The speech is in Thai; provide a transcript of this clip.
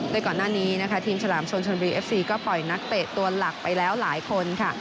โดยก่อนหน้านี้นะคะทีมฉลามชนชนบุรีเอฟซีก็ปล่อยนักเตะตัวหลักไปแล้วหลายคนค่ะ